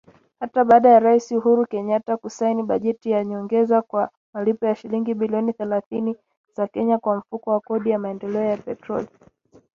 Hata baada ya Rais Uhuru Kenyatta kusaini bajeti ya nyongeza kwa malipo ya shilingi bilioni thelathini za Kenya kwa Mfuko wa Kodi ya Maendeleo ya Petroli.